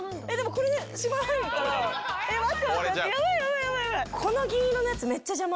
この銀色のやつ、めっちゃ邪魔。